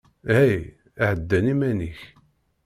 Hey, hedden iman-ik.